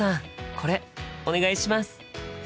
これお願いします！